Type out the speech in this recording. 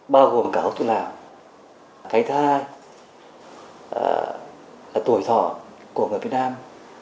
bao gồm cả hốt thuốc lá thay thai tuổi thỏ của người việt nam